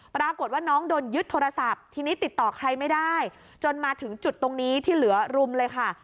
ปรากฏว่าน้องโดนยึดโทรศัพท์ทีนี้ติดต่อใครไม่ได้จนมาถึงจุดตรงนี้ที่เหลือรุมเลยค่ะ